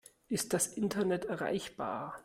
Ist das Internet erreichbar?